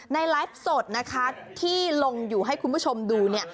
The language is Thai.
ไลฟ์สดนะคะที่ลงอยู่ให้คุณผู้ชมดูเนี่ย